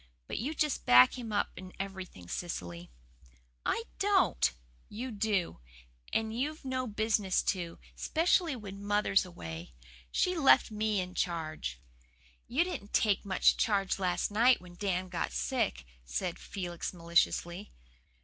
But you just back him up in everything, Cecily." "I don't!" "You do! And you've no business to, specially when mother's away. She left ME in charge." "You didn't take much charge last night when Dan got sick," said Felix maliciously.